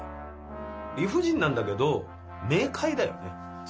理不尽なんだけど明快だよね